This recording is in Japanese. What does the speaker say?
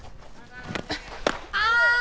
あ！